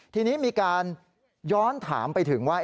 ทีนี้มีการย้อนถามไปถึงว่า